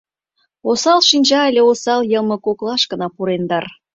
Осал шинча але осал йылме коклашкына пурен дыр!»